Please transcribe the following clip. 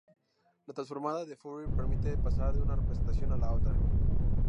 La transformada de Fourier permite pasar de una representación a la otra.